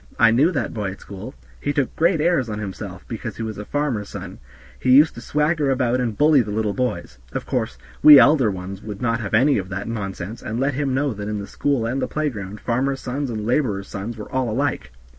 I knew that boy at school; he took great airs on himself because he was a farmer's son; he used to swagger about and bully the little boys. Of course, we elder ones would not have any of that nonsense, and let him know that in the school and the playground farmers' sons and laborers' sons were all alike.